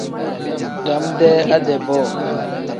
Dam-dee ade-bo.